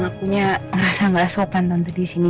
akunya ngerasa gak sopan tante disini